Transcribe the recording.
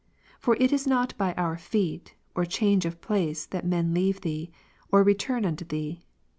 For it is not by our feet, or change of place, that men leave Thee, or return unto Thee.